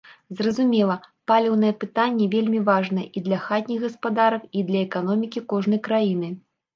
Зразумела, паліўнае пытанне вельмі важнае і для хатніх гаспадарак, і для эканомікі кожнай краіны.